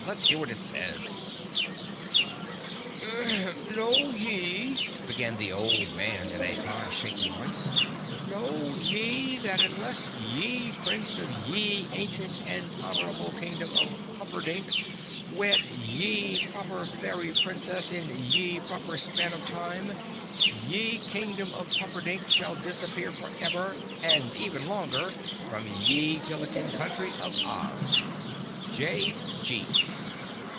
"Let's hear what it says!" [Illustration: (unlabelled)] "Know ye," began the old man in a high, shaky voice, "know ye that unless ye Prince of ye ancient and honorable Kingdom of Pumperdink wed ye Proper Fairy Princess in ye proper span of time ye Kingdom of Pumperdink shall disappear forever and even longer from ye Gilliken country of Oz. _J. G.